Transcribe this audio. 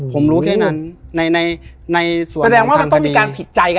ประมาณนั้นครับพี่